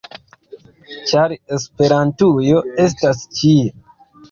ĉar Esperantujo estas ĉie!